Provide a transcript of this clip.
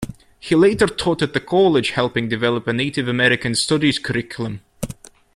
He later taught at the college, helping develop a Native American studies curriculum.